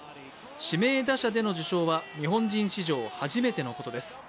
指名打者での受賞は日本人史上初めてのことです。